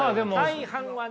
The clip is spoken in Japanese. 大半はね。